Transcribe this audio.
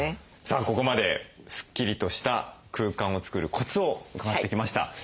さあここまでスッキリとした空間を作るコツを伺ってきました。